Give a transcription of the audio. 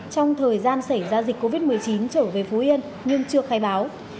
trong thời gian xảy ra dịch covid một mươi chín trở về phú yên nhưng chưa khai báo